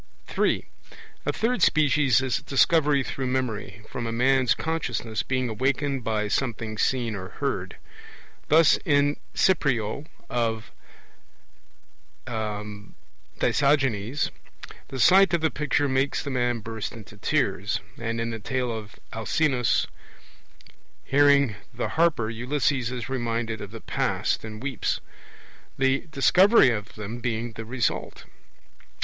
(3) A third species is Discovery through memory, from a man's consciousness being awakened by something seen or heard. Thus in The Cyprioe of Dicaeogenes, the sight of the picture makes the man burst into tears; and in the Tale of Alcinous, hearing the harper Ulysses is reminded of the past and weeps; the Discovery of them being the result.